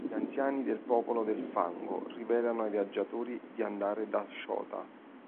Gli anziani del Popolo del Fango rivelano ai viaggiatori di andare da Shota.